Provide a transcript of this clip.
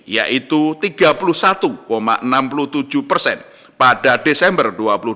yaitu tiga puluh satu enam puluh tujuh persen pada desember dua ribu dua puluh